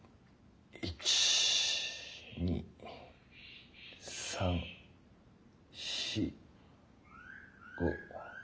１２３４５。